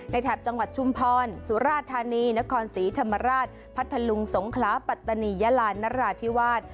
แถบจังหวัดชุมพรสุราธานีนครศรีธรรมราชพัทธลุงสงขลาปัตตานียาลานนราธิวาส